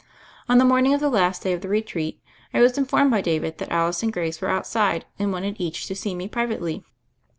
On the morning of the last day of the re treat, I was informed by David that Alice and Grace were outside and wanted each to see me privately.